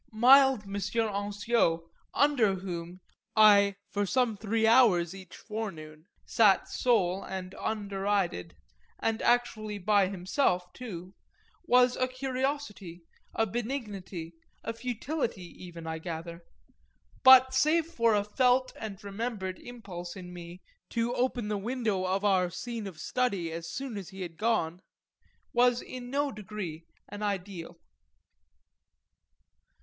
Mild M. Ansiot, "under" whom I for some three hours each forenoon sat sole and underided and actually by himself too was a curiosity, a benignity, a futility even, I gather; but save for a felt and remembered impulse in me to open the window of our scene of study as soon as he had gone was in no degree an ideal.